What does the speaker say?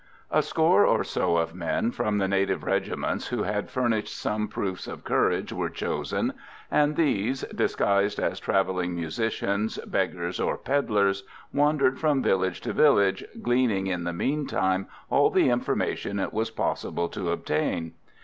A score or so of men from the native regiments who had furnished some proofs of courage were chosen, and these, disguised as travelling musicians, beggars or pedlars, wandered from village to village gleaning in the meantime all the information it was possible to obtain.